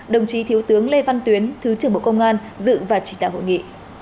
đồng chí thiếu tướng lê văn tuyến thứ trưởng bộ công an dự và chỉ đạo hội nghị